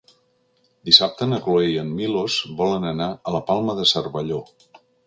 Dissabte na Cloè i en Milos volen anar a la Palma de Cervelló.